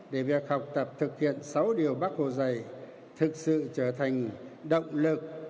để việc học tập thực hiện sáu điều bác hồ dạy thực sự trở thành động lực